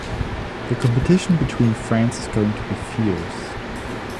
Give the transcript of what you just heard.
The competition between friends is going to be fierce.